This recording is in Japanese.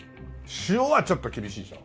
塩はちょっと厳しいでしょ？